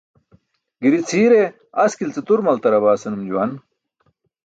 Giri cʰiire "askil ce tur maltarabaa" senum juwan.